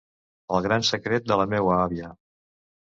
El gran secret de la meua àvia.